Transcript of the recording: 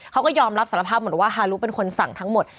เขาก็ยอมรับสารภาพเหมือนว่าฮารุเป็นคนสั่งทั้งหมด